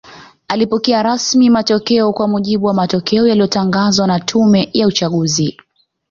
Alipokea rasmi matokeo Kwa mujibu wa matokeo yaliyotangazwa na tume ya uchaguzi